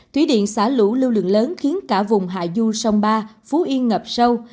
thủy điện xả lũ lưu lượng lớn khiến cả vùng hạ du sông ba phú yên ngập sâu